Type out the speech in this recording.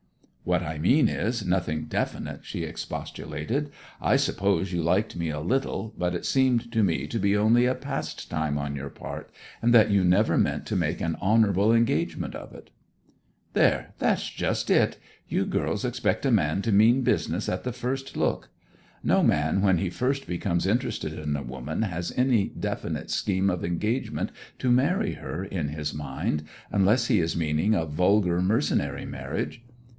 'What I mean is, nothing definite,' she expostulated. 'I suppose you liked me a little; but it seemed to me to be only a pastime on your part, and that you never meant to make an honourable engagement of it.' 'There, that's just it! You girls expect a man to mean business at the first look. No man when he first becomes interested in a woman has any definite scheme of engagement to marry her in his mind, unless he is meaning a vulgar mercenary marriage.